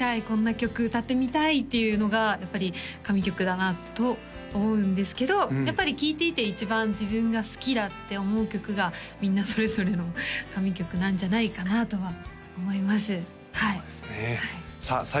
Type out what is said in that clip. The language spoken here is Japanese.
「こんな曲歌ってみたい」っていうのがやっぱり神曲だなと思うんですけどやっぱり聴いていて一番自分が好きだって思う曲がみんなそれぞれの神曲なんじゃないかなとは思いますそうですねさあ